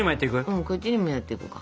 うんこっちにもやっていこうか。